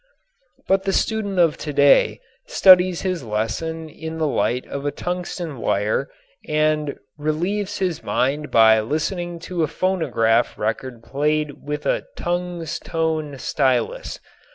But the student of today studies his lesson in the light of a tungsten wire and relieves his mind by listening to a phonograph record played with a "tungs tone" stylus.